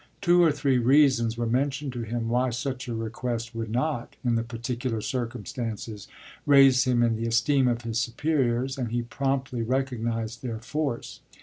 Two or three reasons were mentioned to him why such a request would not, in the particular circumstances, raise him in the esteem of his superiors, and he promptly recognised their force.